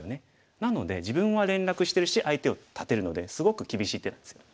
なので自分は連絡してるし相手を断てるのですごく厳しい手なんですよ。